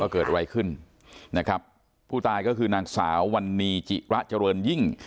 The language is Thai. เกิดอะไรขึ้นนะครับผู้ตายก็คือนางสาววันนี้จิระเจริญยิ่ง